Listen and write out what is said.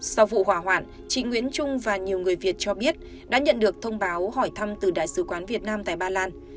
sau vụ hỏa hoạn chị nguyễn trung và nhiều người việt cho biết đã nhận được thông báo hỏi thăm từ đại sứ quán việt nam tại ba lan